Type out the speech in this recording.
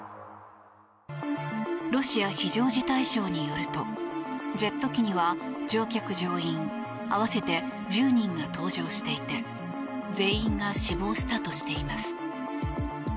ロシア非常事態省によるとジェット機には乗客・乗員合わせて１０人が搭乗していて全員が死亡したとしています。